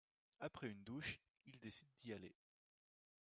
Après une douche, il décide d'y aller.